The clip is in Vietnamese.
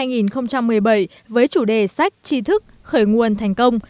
ngày hội sách năm hai nghìn một mươi bảy với chủ đề sách tri thức khởi nguồn thành công